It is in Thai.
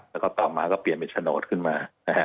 แล้วก็ต่อมาก็เปลี่ยนเป็นโฉนดขึ้นมา